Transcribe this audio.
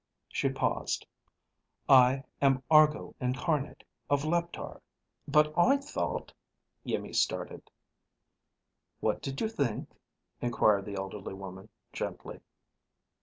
She paused. "I am Argo Incarnate, of Leptar." "But I thought ..." Iimmi started. "What did you think?" inquired the elderly woman, gently.